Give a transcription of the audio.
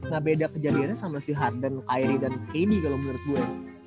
ga beda kejadiannya sama si harden kyrie dan kb kalo menurut gue